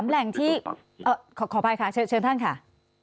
แหล่งที่ขออภัยค่ะเชิญท่านค่ะ